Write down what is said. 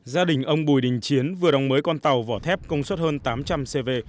gia đình ông bùi đình chiến vừa đóng mới con tàu vỏ thép công suất hơn tám trăm linh cv